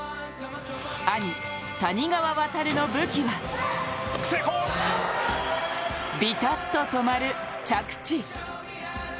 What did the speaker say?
兄・谷川航の武器はビタッと止まる着地。